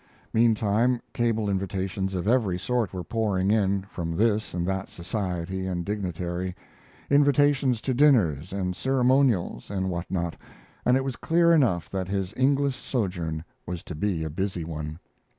Meantime, cable invitations of every sort were pouring in, from this and that society and dignitary; invitations to dinners and ceremonials, and what not, and it was clear enough that his English sojourn was to be a busy one.